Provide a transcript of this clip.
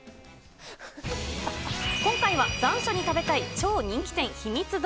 今回は残暑に食べたい超人気店、ひみつ堂。